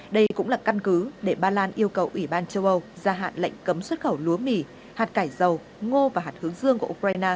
đây cũng là căn cứ để ba lan yêu cầu ủy ban châu âu gia hạn lệnh cấm xuất khẩu lúa mì hạt cải dầu ngô và hạt hướng dương của ukraine